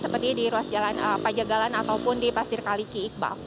seperti di ruas jalan pajagalan ataupun di pasir kaliki iqbal